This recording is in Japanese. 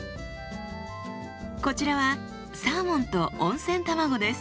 こちらはサーモンと温泉卵です。